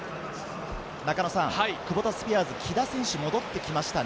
クボタスピアーズの木田選手、戻ってきましたね。